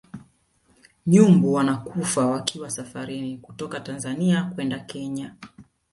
nyumbu wanakufa wakiwa safarini kutoka tanzania kwenda kenya